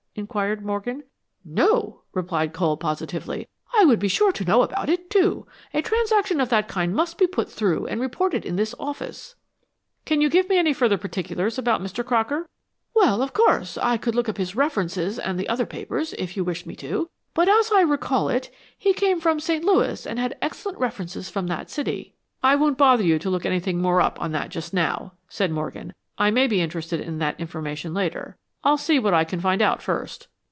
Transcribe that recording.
inquired Morgan. "No," replied Cole, positively. "I would be sure to know about it, too. A transaction of that kind must be put through and reported in this office." "Can you give me any further particulars about Mr. Crocker?" "Well, of course, I could look up his references and the other papers, if you wish me to. But as I recall it, he came from St. Louis and had excellent references from that city." "I won't bother you to look anything more up on that just now," said Morgan. "I may be interested in the information later. I'll see what I can find out first."